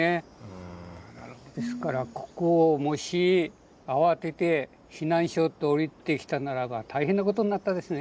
ですからここをもし慌てて避難しようと下りてきたならば大変なことになったですね。